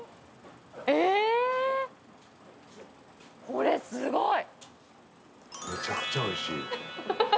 これすごい！